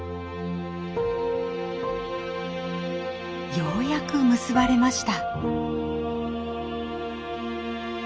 ようやく結ばれました。